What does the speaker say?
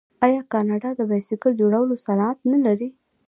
آیا کاناډا د بایسکل جوړولو صنعت نلري؟